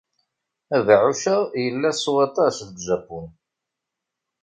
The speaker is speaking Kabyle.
Abeɛɛuc-a yella s waṭas deg Japun.